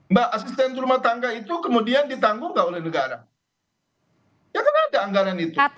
mbak asisten rumah tangga itu kemudian ditanggung nggak oleh negara ya kan ada anggaran itu